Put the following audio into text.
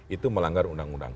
itu melanggar undang undang